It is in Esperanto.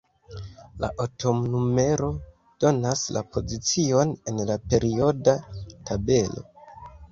La atomnumero donas la pozicion en la perioda tabelo.